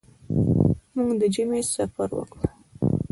موږ د ژمي سفر وکړ.